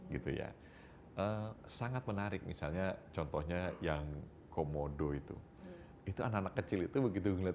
gitu ya sangat menarik misalnya contohnya yang komodo itu itu anak anak kecil itu begitu ngelihat